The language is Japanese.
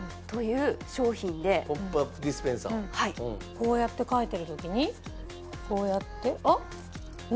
こうやって書いてる時にこうやってあっ何？